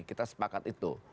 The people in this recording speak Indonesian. kita sepakat itu